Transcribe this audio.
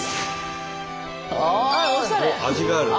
味がある。